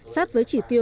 sát với chỉ tiêu